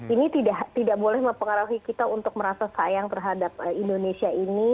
ini tidak boleh mempengaruhi kita untuk merasa sayang terhadap indonesia ini